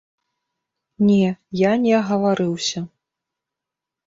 Не, я не агаварыўся.